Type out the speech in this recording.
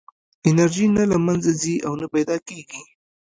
انرژي نه له منځه ځي او نه پیدا کېږي.